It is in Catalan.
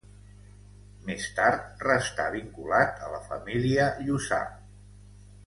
Més tard restà vinculat a la família Lluçà.